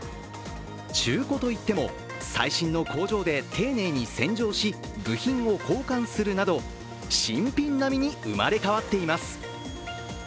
中古といっても、最新の工場で丁寧に洗浄し部品を交換するなど、新品並みに生まれ変わっています。